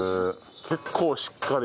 結構しっかり。